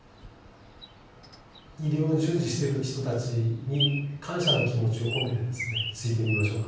医療従事してる人たちに感謝の気持ちを込めてですねついてみましょうか。